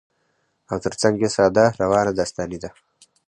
او تر څنګ يې ساده، روانه داستاني ده